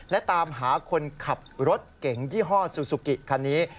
และตามหาคนขับรถเก่งยี่ห้อซูซูกิคันนี้